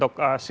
dalam hal ini